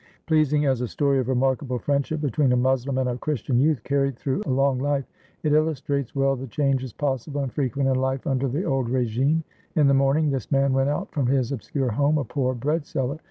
Pleasing as a story of remarkable friendship between a Moslem and a Christian youth, carried through a long life, it illustrates well the changes, possible and frequent, in life, under the old regime. In the morning, this man went out from his obscure home a poor bread seller.